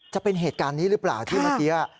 จะเป็นเหตุการณ์นี้หรือเปล่าที่เมื่อกี้